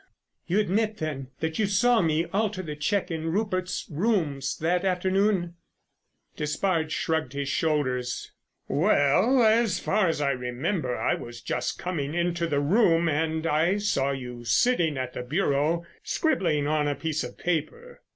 "You admit, then, that you saw me alter the cheque in Rupert's rooms that afternoon?" Despard shrugged his shoulders. "Well, as far as I remember I was just coming into the room and I saw you sitting at the bureau scribbling on a piece of paper.